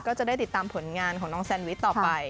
ก็จะได้ติดตามผลงานของน้องแซนวิชต่อไป